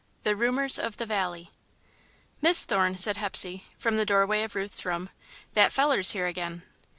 V. The Rumours of the Valley "Miss Thorne," said Hepsey, from the doorway of Ruth's room, "that feller's here again."